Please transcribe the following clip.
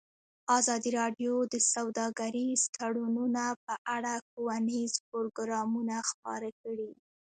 ازادي راډیو د سوداګریز تړونونه په اړه ښوونیز پروګرامونه خپاره کړي.